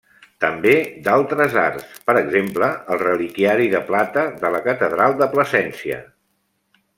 També d'altres arts, per exemple el reliquiari de plata de la catedral de Plasència.